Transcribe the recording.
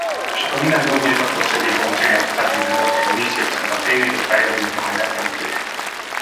Przypominam również o potrzebie włączenia ustaleń wyborczych misji obserwacyjnych do krajowych działań następczych